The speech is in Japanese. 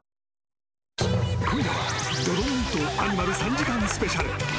今夜はドドンとアニマル３時間スペシャル。